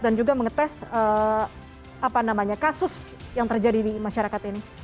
dan juga mengetes kasus yang terjadi di masyarakat ini